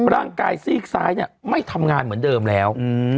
ร่างกายซีกซ้ายไม่ทำงานเหมือนเดิมแล้ว